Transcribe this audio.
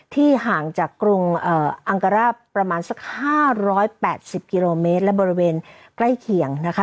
ห่างจากกรุงอังการ่าประมาณสัก๕๘๐กิโลเมตรและบริเวณใกล้เคียงนะคะ